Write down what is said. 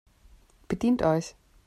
Bedient euch!